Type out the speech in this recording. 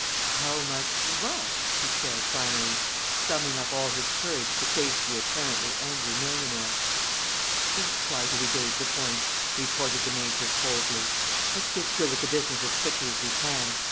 "How much what?" he said, finally, summoning up all his courage to face the apparently angry millionaire. "Don't try to evade the point," retorted the Major, coldly. "Let's get through with the business as quickly as we can.